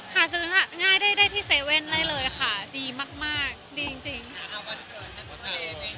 หาซื้อง่ายได้ที่๗๑๑ได้เลยค่ะดีมากดีจริงค่ะ